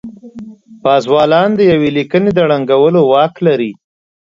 پازوالان د يوې ليکنې د ړنګولو واک لري.